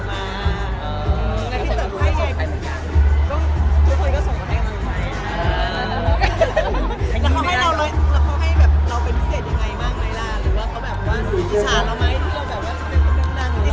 แล้วที่ส่งมาให้ใครอะไรไหม